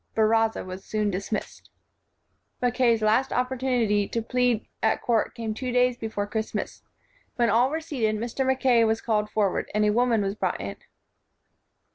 Baraza was soon dismissed. Mackay 's last opportunity to plead at 128 KING AND WIZARD court came two days before Christmas. When all were seated, Mr. Mackay was called forward, and a woman was brought in.